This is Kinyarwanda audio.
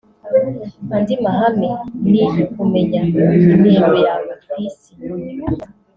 Andi mahame ni ukumenya intego yawe ku Isi